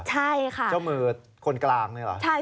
ใช่ค่ะเจ้ามือคนกลางนี่เหรอ